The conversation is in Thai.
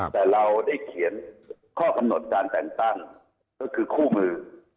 แต่เราได้เขียนข้อกำหนดการแต่งตั้งก็คือคู่มือ